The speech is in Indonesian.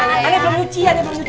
anaknya belum nyuci anaknya belum nyuci